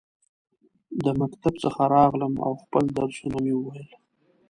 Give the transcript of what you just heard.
د مکتب څخه راغلم ، او خپل درسونه مې وویل.